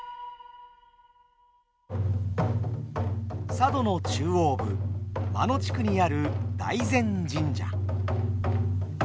佐渡の中央部真野地区にある大膳神社。